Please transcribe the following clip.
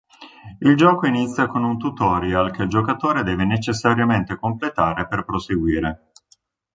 Il gioco inizia con un tutorial che il giocatore deve necessariamente completare per proseguire.